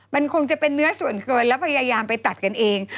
มันคงจะเป็นเนื้อส่วนเกินแล้วพยายามไปตัดกันเอง